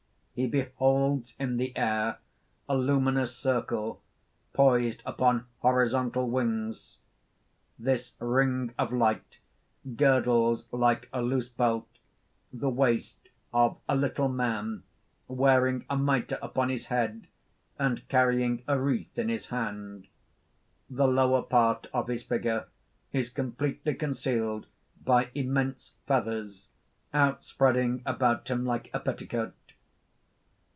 _ _He beholds in the air a luminous circle, poised upon horizontal wings. This ring of light, girdles like a loose belt, the waist of a little man wearing a mitre upon his head and carrying a wreath in his hand. The lower part of his figure is completely concealed by immense feathers outspreading about him like a petticoat.